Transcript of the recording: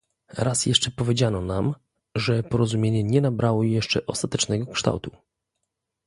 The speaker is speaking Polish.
Raz jeszcze powiedziano nam, że porozumienie nie nabrało jeszcze ostatecznego kształtu